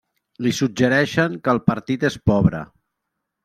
Li suggereixen que el partit és pobre.